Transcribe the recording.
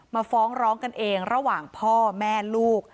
ฟ้องร้องกันเองระหว่างพ่อแม่ลูก